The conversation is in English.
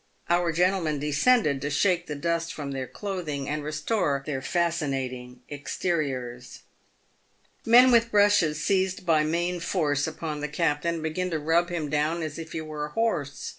Our gentlemen de scended to shake the dust from their clothing, and restore their fasci nating exteriors. Men with brushes seized by main force upon the captain, and began to rub him down as if he were a horse.